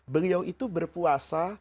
beliau itu berpuasa